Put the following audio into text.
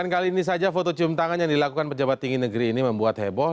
kali ini saja foto cium tangan yang dilakukan pejabat tinggi negeri ini membuat heboh